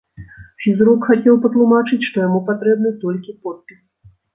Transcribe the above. Фізрук хацеў патлумачыць, што яму патрэбны толькі подпіс.